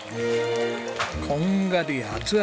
こんがり熱々。